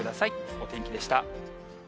お天気でした。